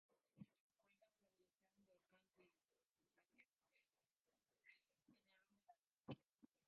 Cuenta con la dirección de Kenji Yokoi y guion de Natsuko Takahashi.